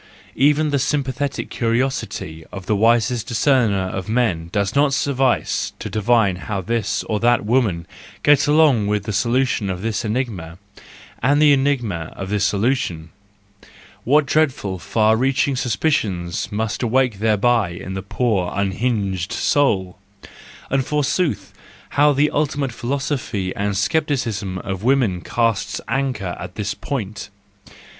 Even the sympathetic curiosity of the wisest discerner of men does not suffice to divine how this or that woman gets along with the solution of this enigma and the enigma of this solution; what dreadful, far reaching sus¬ picions must awaken thereby in the poor unhinged soul; and forsooth, how the ultimate philosophy and scepticism of the woman casts anchor at this THE JOYFUL WISDOM, II I°5 point!